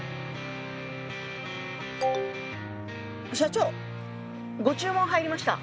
社長ご注文入りました。